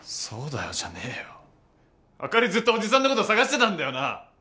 「そうだよ」じゃねえよ。あかりずっとおじさんのことを捜してたんだよな？